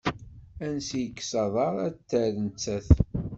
Ansi yekkes aḍar a t-terr nettat.